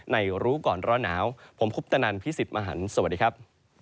รู้ก่อนร้อนหนาวผมคุปตนันพี่สิทธิ์มหันฯสวัสดีครับ